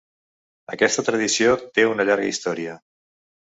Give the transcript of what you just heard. Aquesta tradició té una llarga història.